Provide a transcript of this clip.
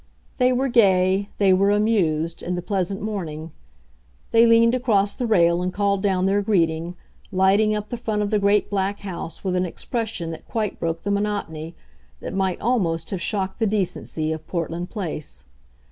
They were gay, they were amused, in the pleasant morning; they leaned across the rail and called down their greeting, lighting up the front of the great black house with an expression that quite broke the monotony, that might almost have shocked the decency, of Portland Place.